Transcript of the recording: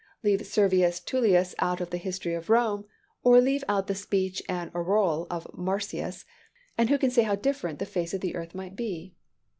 Leave Servius Tullius out of the history of Rome, or leave out the speech and aureole of Marcius, and who can say how different the face of the earth might be?